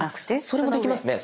それもできますね。